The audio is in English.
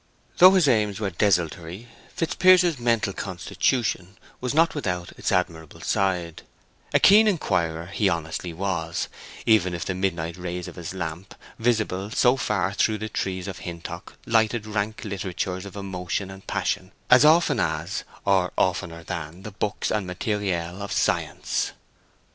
Though his aims were desultory, Fitzpiers's mental constitution was not without its admirable side; a keen inquirer he honestly was, even if the midnight rays of his lamp, visible so far through the trees of Hintock, lighted rank literatures of emotion and passion as often as, or oftener than, the books and matériel of science.